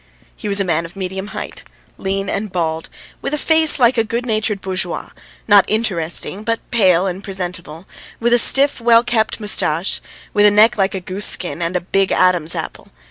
He was a man of medium height, lean and bald, with a face like a good natured bourgeois, not interesting, but pale and presentable, with a stiff, well kept moustache, with a neck like gooseskin, and a big Adam's apple.